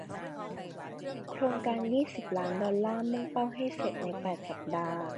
โครงการยี่สิบล้านดอลลาร์มุ่งเป้าให้เสร็จในแปดสัปดาห์